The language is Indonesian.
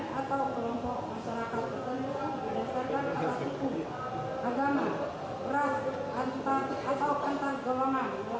kata kata goleman hukum sara dan